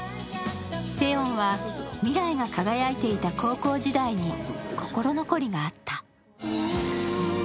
セヨンは未来が輝いていた高校時代に心残りがあった。